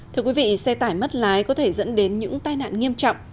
thưa quý vị xe tải mất lái có thể dẫn đến những tai nạn nghiêm trọng